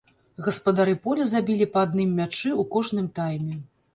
Гаспадары поля забілі па адным мячы ў кожным тайме.